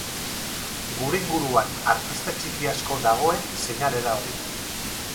Gure inguruan artista txiki asko dagoen seinale da hori.